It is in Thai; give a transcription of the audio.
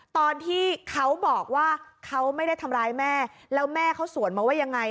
ตอนที่เขาบอกว่าเขาไม่ได้ทำร้ายแม่แล้วแม่เขาสวนมาว่ายังไง